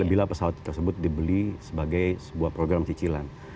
bila pesawat tersebut dibeli sebagai sebuah program cicilan